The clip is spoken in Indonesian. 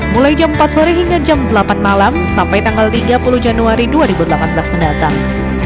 mulai jam empat sore hingga jam delapan malam sampai tanggal tiga puluh januari dua ribu delapan belas mendatang